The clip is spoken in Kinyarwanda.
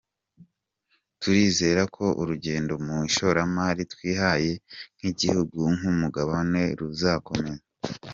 Turizera ko urugendo mu ishoramari twihaye nk’igihugu nk’umugabane ruzakomeza.